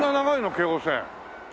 京王線。